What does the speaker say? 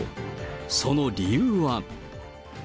その理由は。